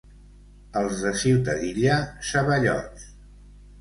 Els de Ciutadilla, ceballots.